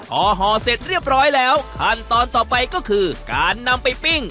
พอห่อเสร็จเรียบร้อยแล้วขั้นตอนต่อไปก็คือการนำไปปิ้ง